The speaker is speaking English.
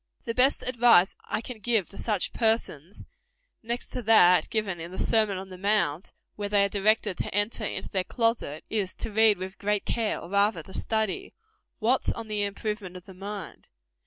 The best advice I can give to such persons next to that given in the Sermon on the Mount, where they are directed to enter into their closet is, to read with great care, or rather to study, Watts on the Improvement of the Mind.